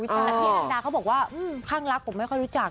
พี่อังดาเขาบอกว่าคลั่งลักษณ์ผมไม่ค่อยรู้จัก